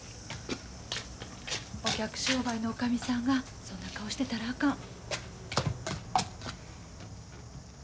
お客商売の女将さんがそんな顔してたらあかん。